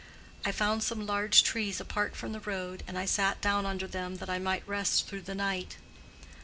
I found some large trees apart from the road, and I sat down under them that I might rest through the night.